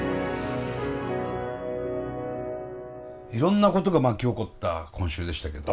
いろんなことが巻き起こった今週でしたけども。